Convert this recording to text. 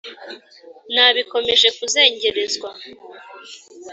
nabikomeje kuzengerezwa,